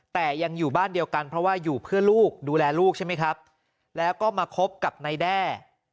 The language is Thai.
แต่ยังอยู่บ้านเดียวกันเพราะว่าอยู่เพื่อลูกดูแลลูกใช่ไหมครับแล้วก็มาคบกับนายแด้